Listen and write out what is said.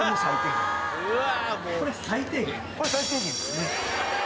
これ最低限ですね。